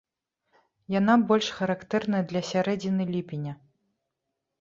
Яна больш характэрная для сярэдзіны ліпеня.